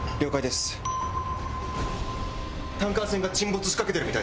タンカー船が沈没しかけてるみたいです。